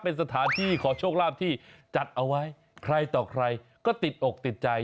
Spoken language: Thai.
เป็นสถานที่ขอโชคลาภที่จัดเอาไว้ใครต่อใครก็ติดอกติดใจ